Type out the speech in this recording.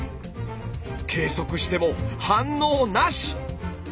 計測しても反応なし！